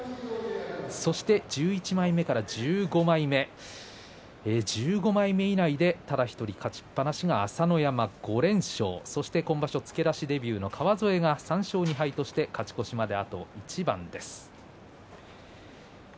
１１枚目から１５枚目１５枚目以内でただ１人勝ちっぱなしが朝乃山５連勝そして今場所付け出しデビューの川副が３勝２敗として勝ち越しまであと一番です。